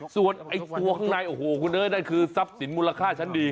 ส่วนไอ้ตัวข้างในโอ้โหคุณเอ้ยนั่นคือทรัพย์สินมูลค่าชั้นดี